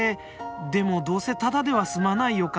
でもどうせただでは済まない予感。